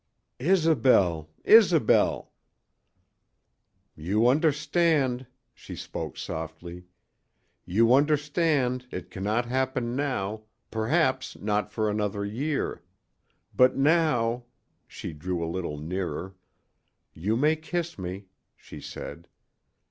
"Isobel Isobel " "You understand" she spoke softly "you understand, it cannot happen now perhaps not for another year. But now" she drew a little nearer "you may kiss me," she said.